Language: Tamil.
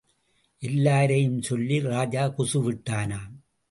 எல்லாரையும் சொல்லி ராஜா குசு விட்டானாம்.